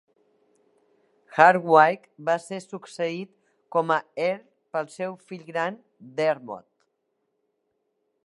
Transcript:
Hardwicke va ser succeït com a earl pel seu fill gran, Dermot.